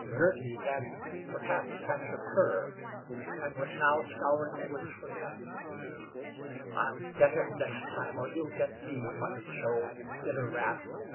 Girty had, perhaps, captured her, and was now scouring the woods for him. "I'll get him next time, or he'll get me," muttered Joe, in bitter wrath.